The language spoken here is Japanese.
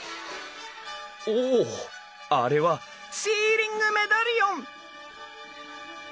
おあれはシーリングメダリオン！